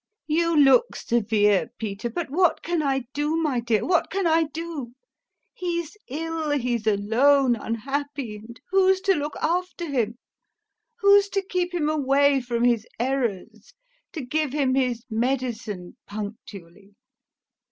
You look severe, Peter, but what can I do, my dear, what can I do; he's ill, he's alone, unhappy, and who's to look after him, who's to keep him away from his errors, to give him his medicine punctually?